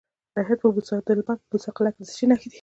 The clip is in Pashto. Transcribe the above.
د هلمند په موسی قلعه کې د څه شي نښې دي؟